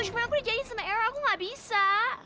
cuman aku udah jadinya sama errol aku gak bisa